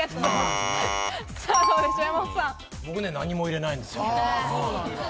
僕ね、何も入れないんですよ。